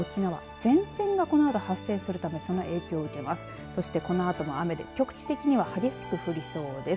沖縄、前線がこのあと発生するため、その影響です。